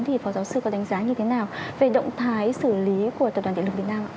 thì phó giáo sư có đánh giá như thế nào về động thái xử lý của tập đoàn điện lực việt nam ạ